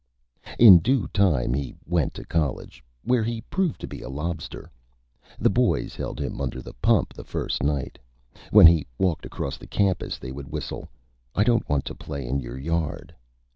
In Due Time he went to College, where he proved to be a Lobster. The Boys held him under the Pump the first Night. When he walked across the Campus, they would whistle, "I don't Want to Play in Your Yard."